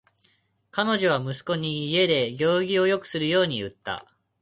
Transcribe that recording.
彼女は息子に家で行儀よくするように言った。